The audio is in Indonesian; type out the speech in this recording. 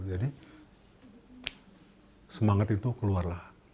jadi semangat itu keluarlah